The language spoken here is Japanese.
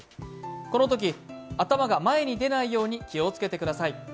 このとき、頭が前に出ないように気を付けてください。